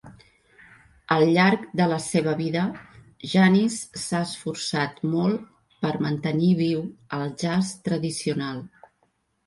Al llarg de la seva vida, Janis s'ha esforçat molt per mantenir viu el jazz tradicional.